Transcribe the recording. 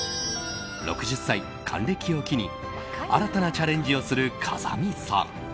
６０歳、還暦を機に新たなチャレンジをする風見さん。